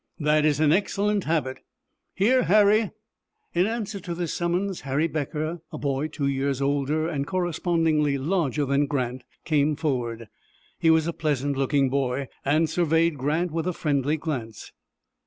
"That is an excellent habit. Here, Harry." In answer to this summons, Harry Becker, a boy two years older and correspondingly larger than Grant, came forward. He was a pleasant looking boy, and surveyed Grant with a friendly glance.